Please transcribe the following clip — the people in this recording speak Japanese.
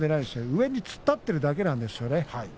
上に突っ立っているだけなんですね。